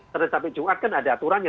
karena sampai jumat kan ada aturannya